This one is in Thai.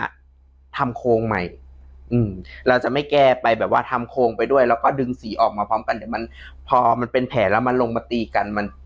มาทำโค้งใหม่อืมเราจะไม่แก้ไปแบบว่าทำโครงไปด้วยแล้วก็ดึงสีออกมาพอมันพอมันเป็นแผนแล้วก็ลงมาตีกัน